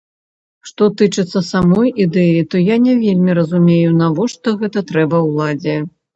Што тычыцца самой ідэі, то я не вельмі разумею, навошта гэта трэба ўладзе.